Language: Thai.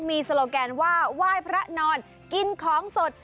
มีโซโลแกนว่าไหว้พระนอนกินของสด